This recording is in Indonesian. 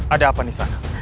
ada apa di sana